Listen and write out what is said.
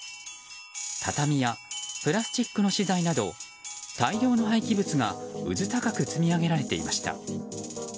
畳やプラスチックの資材など大量の廃棄物が、うずたかく積み上げられていました。